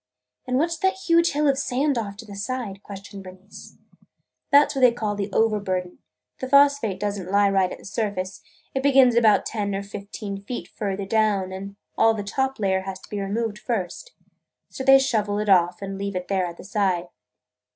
"And what 's that huge hill of sand off to the side?" questioned Bernice. "That 's what they call the 'overburden.' The phosphate does n't lie right at the surface. It begins about ten or fifteen feet further down and all the top layer has to be removed first. So they shovel it off and leave it there at the side.